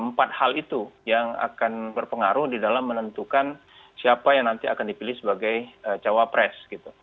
empat hal itu yang akan berpengaruh di dalam menentukan siapa yang nanti akan dipilih sebagai cawapres